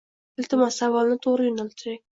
Iltimos, savolni to’g’ri yo’naltiring